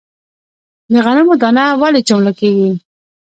د غنمو دانه ولې چملک کیږي؟